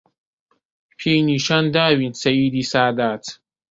پێی نیشان داوین سەییدی سادات